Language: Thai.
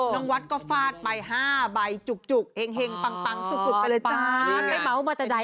น้องวัดก็ฟาดไป๕ใบจุกแห่งปังสุดไปเลยจ้า